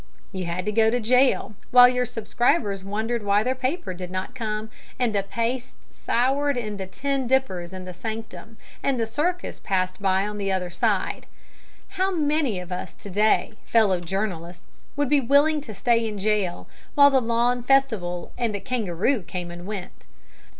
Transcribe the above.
You had to go to jail, while your subscribers wondered why their paper did not come, and the paste soured in the tin dippers in the sanctum, and the circus passed by on the other side. How many of us to day, fellow journalists, would be willing to stay in jail while the lawn festival and the kangaroo came and went?